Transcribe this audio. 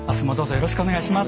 よろしくお願いします。